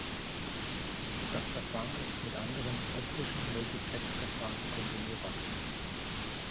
Das Verfahren ist mit anderen optischen Multiplexverfahren kombinierbar.